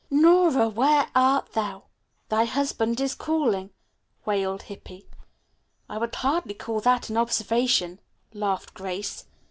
"Nora, where art thou? Thy husband is calling," wailed Hippy. "I would hardly call that an observation," laughed Grace.